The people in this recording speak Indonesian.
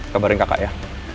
kabarin kakak ya